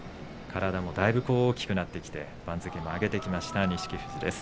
体もだいぶ大きくなってきて番付も上げてきました錦富士です。